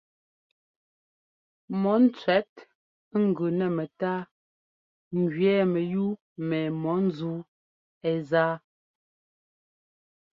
Mɔ ńtsẅɛt ŋ gʉ nɛ mɛtáa ŋgẅɛɛ mɛyúu mɛ mɔ ńzúu ɛ́ záa.